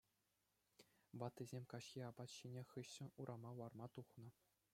Ваттисем каҫхи апат ҫинӗ хыҫҫӑн урама ларма тухнӑ.